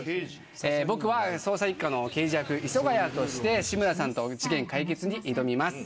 僕は捜査一課の刑事役磯ヶ谷として志村さんと事件解決に挑みます